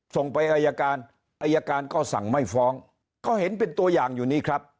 ส่งไปอายการอายการก็สั่งไม่ฟ้องก็เห็นเป็นตัวอย่างอยู่นี้ครับ